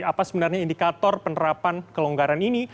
apa sebenarnya indikator penerapan kelonggaran ini